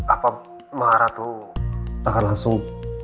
apa maharatu akan langsung